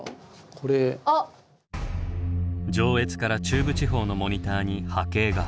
上越から中部地方のモニターに波形が。